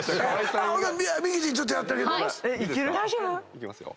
いきますよ。